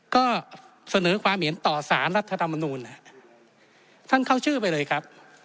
ก็เสนอความเห็นต่อสารรัฐธรรมนูลท่านเข้าชื่อไปเลยครับ